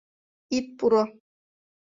Ит пуро.